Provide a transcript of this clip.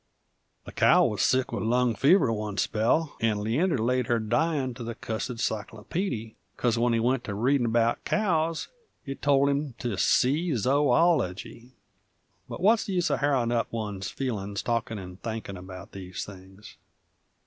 The cow wuz sick with lung fever one spell, and Leander laid her dyin' to that cussid cyclopeedy, 'cause when he went to readin' 'bout cows it told him to "See Zoology." But what's the use uv harrowin' up one's feelin's talkin' 'nd thinkin' about these things?